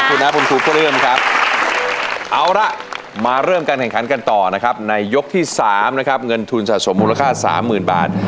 ขอบคุณมากครับขอบคุณครูพ่อเรื่องครับเอาล่ะมาเริ่มการแข่งขันกันต่อนะครับในยกที่๓นะครับเงินทุนสะสมมูลค่า๓๐๐๐๐บาท